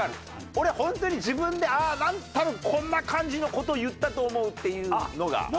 俺本当に自分でああ多分こんな感じの事を言ったと思うっていうのが。